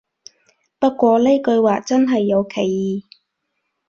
不過呢句話真係有歧義